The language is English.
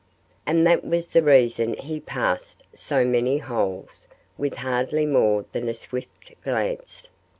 And that was the reason he passed by so many holes with hardly more than a swift glance.